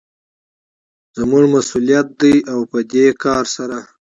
زموږ مسوليت دى او په دې کار سره